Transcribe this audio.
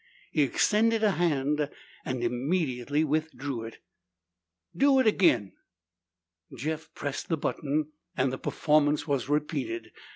He extended a hand and immediately withdrew it. "Do it ag'in!" Jeff pressed the button and the performance was repeated.